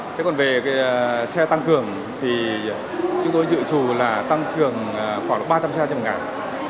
thế còn về xe tăng cường thì chúng tôi dự trù là tăng cường khoảng ba trăm linh xe trên một ngày